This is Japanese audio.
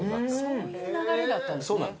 そういう流れだったんですね。